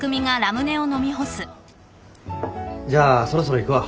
じゃあそろそろ行くわ。